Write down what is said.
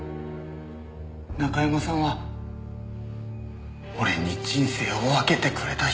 中山さんは俺に人生を分けてくれた人だから。